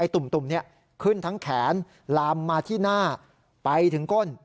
ตุ่มขึ้นทั้งแขนลามมาที่หน้าไปถึงก้น